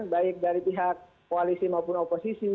baik dari pihak koalisi maupun oposisi